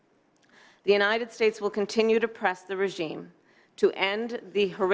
amerika serikat akan terus mengembangkan resim untuk mengakhiri kekerasan yang berbahaya